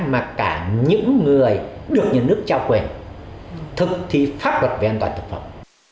mà cả những người được nhà nước trao quyền thực thi pháp luật về an toàn thực phẩm